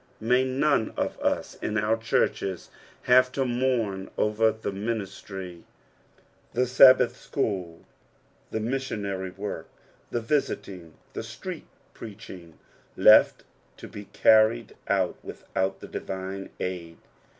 Hay none of us in our churches have to mourn over the minbtry, the Sabbath school, the missionary work, the visiting, the street preaching, left to be earned out without the divme aid.